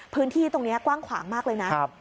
พื้นที่ตรงนี้กว้างขวางมากเลยนะ